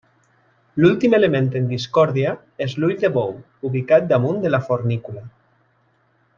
L'últim element en discòrdia és l'ull de bou, ubicat damunt de la fornícula.